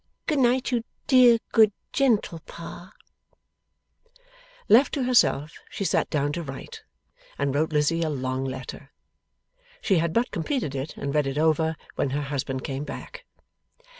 Good night, you dear, good, gentle Pa!' Left to herself she sat down to write, and wrote Lizzie a long letter. She had but completed it and read it over, when her husband came back.